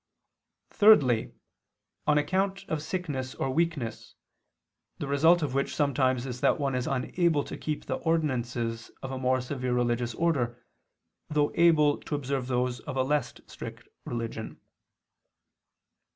Thirdly, on account of sickness or weakness, the result of which sometimes is that one is unable to keep the ordinances of a more severe religious order, though able to observe those of a less strict religion.